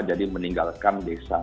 jadi meninggalkan desa